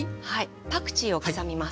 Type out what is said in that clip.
パクチーを刻みます。